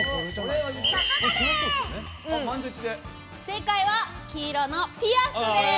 正解は黄色のピアスです！